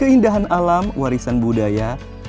keindahan alam warisan budaya